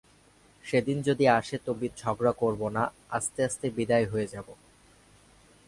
সেদিন যদি আসে তো ঝগড়া করব না, আস্তে আস্তে বিদায় হয়ে যাব।